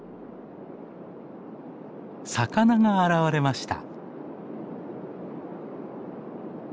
魚が現れました。